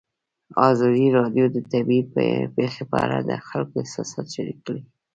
ازادي راډیو د طبیعي پېښې په اړه د خلکو احساسات شریک کړي.